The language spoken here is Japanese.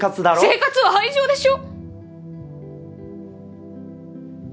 生活は愛情でしょ！